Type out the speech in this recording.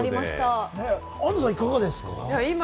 安藤さん、いかがですか？